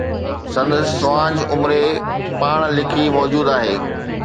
سندس سوانح عمري، پاڻ لکي، موجود آهي.